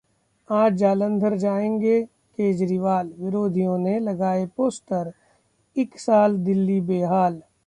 आज जालंधर जाएंगे केजरीवाल, विरोधियों ने लगाए पोस्टर- ‘इक साल, दिल्ली बेहाल'